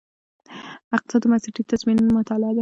اقتصاد د بنسټیزو تصمیمونو مطالعه ده.